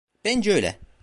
Bence öyle.